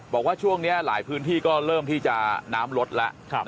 บอกว่าช่วงนี้หลายพื้นที่ก็เริ่มที่จะน้ำลดแล้ว